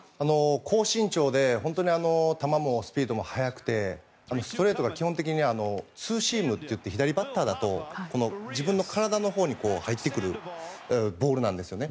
高身長で球のスピードも速くてストレートが基本的にツーシームといって左バッターだと自分の体のほうに入ってくるボールなんですよね。